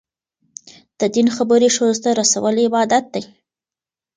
د دین خبرې ښځو ته رسول عبادت دی.